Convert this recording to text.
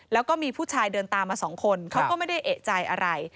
แล้วก็มีผู้ชายเดินตามมาสองคนเขาก็ไม่ได้เอกใจอะไร